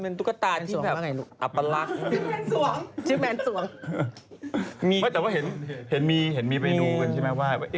น่ากลัวมากเลย